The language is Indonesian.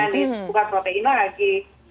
buka protein lagi